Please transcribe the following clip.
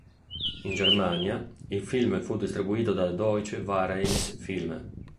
In Germania, il film fu distribuito dalla Deutsche Vereins-Film.